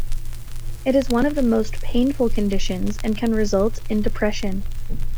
It is one of the most painful conditions and can result in depression.